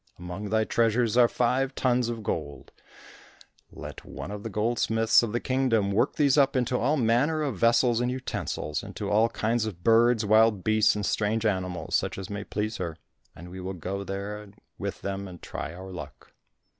Among thy treasures are five tons of gold; let one of the goldsmiths of the Kingdom work these up into all manner of vessels and utensils, into all kinds of birds, wild beasts and strange animals, such as may please her, and we will go there with them and try our luck."